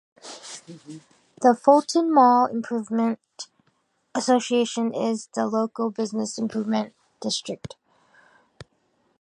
The Fulton Mall Improvement Association is the local business improvement district.